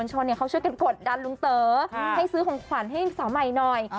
ให้ซื้อของขวัญให้สาวใหม่หน่อย